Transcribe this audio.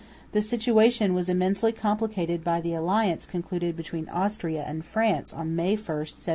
The situation was immensely complicated by the alliance concluded between Austria and France on May 1, 1756.